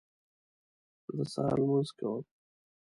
زه د سهار لمونځ کوم